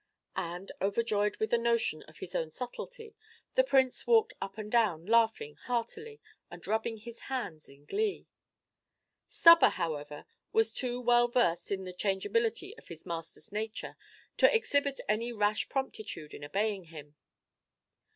And, overjoyed with the notion of his own subtlety, the Prince walked up and down, laughing heartily, and rubbing his hands in glee. Stubber, however, was too well versed in the changeability of his master's nature to exhibit any rash promptitude in obeying him.